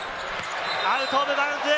アウトオブバウンズ。